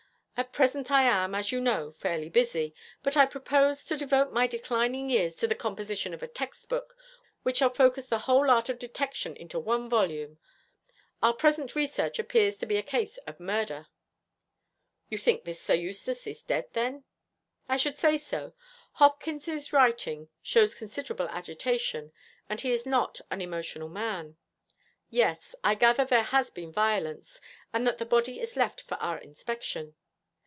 At present I am, as you know, fairly busy, but I propose to devote my declining years to the composition of a textbook, which shall focus the whole art of detection into one volume. Our present research appears to be a case of murder.' 'You think this Sir Eustace is dead, then?' 'I should say so. Hopkins's writing shows considerable agitation, and he is not an emotional man. Yes, I gather there has been violence, and that the body is left for our inspection.